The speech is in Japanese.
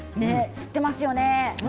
吸っていますよね。